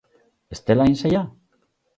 Ez dela hain zaila?